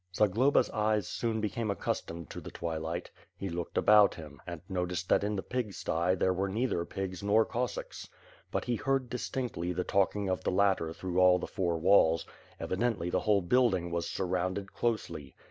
Zagloba's eyes soon became accustomed to the twi light. He looked about him, and noticed that in the pig sty their were neither pigs nor Cossacks. But he heard distinctly the talking of the latter through all the four walls, evidently the whole building was sxtrrounded closely.